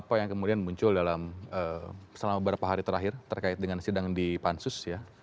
apa yang kemudian muncul dalam selama beberapa hari terakhir terkait dengan sidang di pansus ya